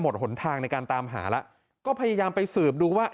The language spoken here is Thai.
หนทางในการตามหาแล้วก็พยายามไปสืบดูว่า